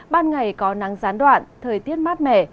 ban ngày có nắng gián đoạn thời tiết mát mẻ